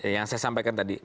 yang saya sampaikan tadi